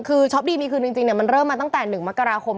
คือช็อปดีมีคืนจริงมันเริ่มมาตั้งแต่๑มกราคม